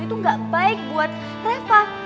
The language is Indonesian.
itu gak baik buat reva